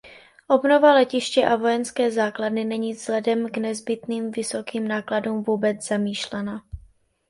Obnova letiště a vojenské základny není vzhledem k nezbytným vysokým nákladům vůbec zamýšlena.